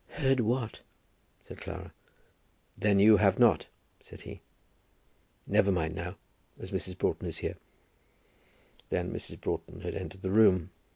"Heard what?" said Clara. "Then you have not," said he. "Never mind now, as Mrs. Broughton is here." Then Mrs. Broughton had entered the room.